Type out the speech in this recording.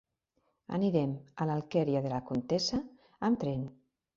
Anirem a l'Alqueria de la Comtessa amb tren.